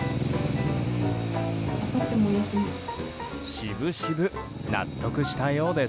しぶしぶ納得したようです。